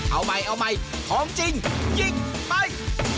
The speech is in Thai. เอาใหม่เอาใหม่ของจริงยิงไป